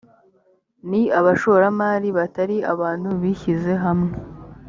ni abashoramari batari abantu bishyize hamwe